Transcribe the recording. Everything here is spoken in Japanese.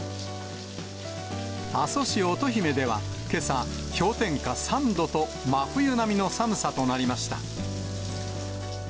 阿蘇市乙姫では、けさ、氷点下３度と真冬並みの寒さとなりました。